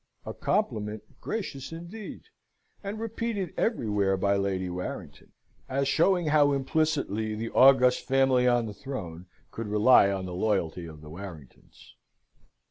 A compliment gracious indeed, and repeated everywhere by Lady Warrington, as showing how implicitly the august family on the throne could rely on the loyalty of the Warringtons.